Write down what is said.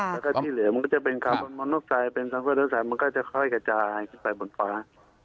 และแค่ที่เหลือมันก็จะเป็นคาร์ดม้อนมนุคไซด์เป็นตังค์ตัวมนูคไซด์มันก็จะค่อยกระจายไปบนฟ้า